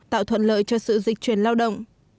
tạo thuận lợi cho sự dịch chuyển lao động